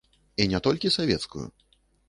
І не толькі савецкую.